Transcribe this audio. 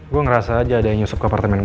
gue ngerasa aja ada yang nyusup ke apartemen